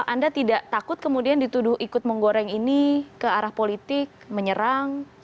anda tidak takut kemudian dituduh ikut menggoreng ini ke arah politik menyerang